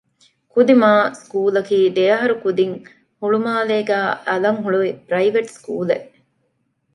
ކުދިމާ ސްކޫލަކީ ދެއަހަރު ކުދިން ހުޅުމާލޭގައި އަލަށް ހުޅުވި ޕްރައިވެޓް ސްކޫލެއް